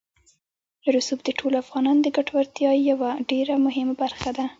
رسوب د ټولو افغانانو د ګټورتیا یوه ډېره مهمه برخه ده.